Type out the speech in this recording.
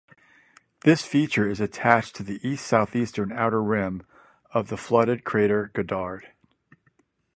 This feature is attached to the east-southeastern outer rim of the flooded crater Goddard.